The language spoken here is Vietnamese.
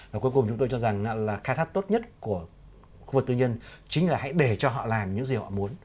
và cuối cùng chúng tôi cho rằng là khai thác tốt nhất của khu vực tư nhân chính là hãy để cho họ làm những gì họ muốn